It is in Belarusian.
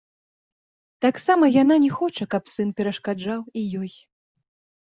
Таксама яна не хоча, каб сын перашкаджаў і ёй.